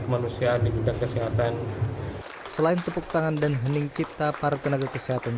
kemanusiaan di bidang kesehatan selain tepuk tangan dan hening cipta para tenaga kesehatan